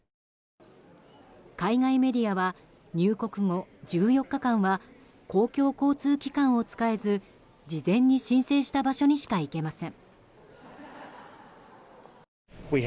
海外メディアは入国後、１４日間は公共交通機関を使えず事前に申請した場所にしか行けません。